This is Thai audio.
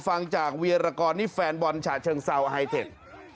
ฟังจากเวียรกรนี่แฟนบอลฉาเชิงเซาไฮเทค